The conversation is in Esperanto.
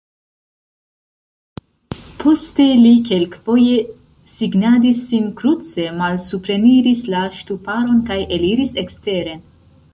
Poste li kelkfoje signadis sin kruce, malsupreniris la ŝtuparon kaj eliris eksteren.